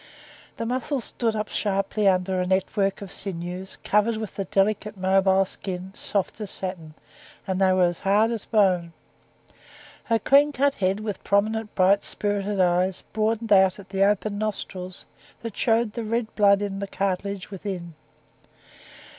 The muscles stood up sharply under the network of sinews, covered with the delicate, mobile skin, soft as satin, and they were hard as bone. Her clean cut head, with prominent, bright, spirited eyes, broadened out at the open nostrils, that showed the red blood in the cartilage within.